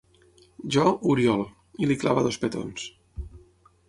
Jo, Oriol —i li clava dos petons.